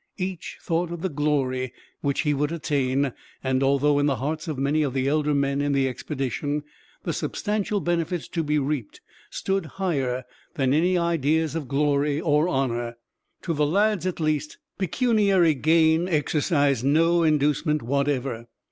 Each thought of the glory which he would attain; and although, in the hearts of many of the elder men in the expedition, the substantial benefits to be reaped stood higher than any ideas of glory or honor; to the lads, at least, pecuniary gain exercised no inducement whatever.